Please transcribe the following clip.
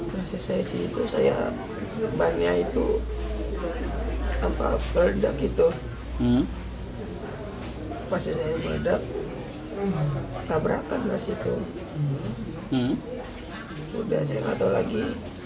pada saat ini saya meledak dan terbalik